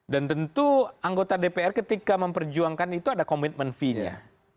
dan tentu anggota dpr ketika memperjuangkan itu ada commitment fee nya